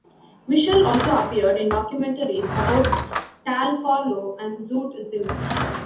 Mitchell also appeared in documentaries about Tal Farlow, and Zoot Sims.